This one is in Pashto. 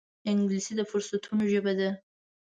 انګلیسي د فرصتونو ژبه ده